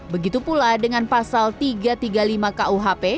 begitu pula dengan pasal tiga ratus tiga puluh lima kuhp